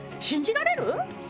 信じられる？